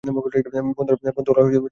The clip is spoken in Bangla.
বন্ধুওয়ালা চুমু ছিল ওটা।